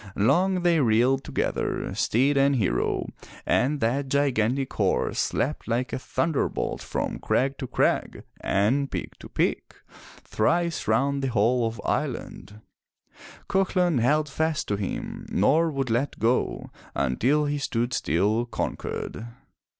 Long they reeled together, steed and hero, and that gigantic horse leapt like a thun derbolt from crag to crag and peak to peak thrice round the whole of Ireland. Cuchulain held fast to him, nor would let go, until he stood still, conquered.